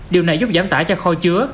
điều này giúp giảm tả cho kho chứa